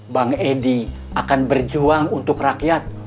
bang edi akan berjuang untuk rakyat